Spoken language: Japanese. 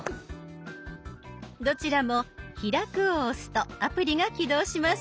どちらも「開く」を押すとアプリが起動します。